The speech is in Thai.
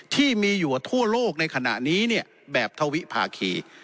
ที่มีอยู่ทั่วโลกในขณะนี้เนี่ยแบบทวิภาคี